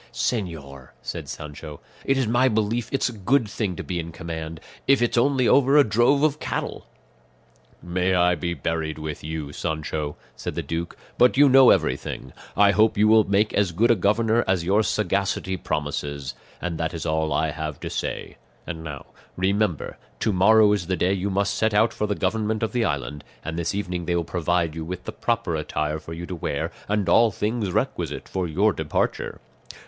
"Señor," said Sancho, "it is my belief it's a good thing to be in command, if it's only over a drove of cattle." "May I be buried with you, Sancho," said the duke, "but you know everything; I hope you will make as good a governor as your sagacity promises; and that is all I have to say; and now remember to morrow is the day you must set out for the government of the island, and this evening they will provide you with the proper attire for you to wear, and all things requisite for your departure."